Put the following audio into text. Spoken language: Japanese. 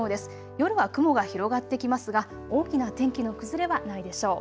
夜は雲が広がってきますが大きな天気の崩れはないでしょう。